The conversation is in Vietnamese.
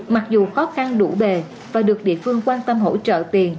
mặc dù khó khăn đủ bề và được địa phương quan tâm hỗ trợ tiền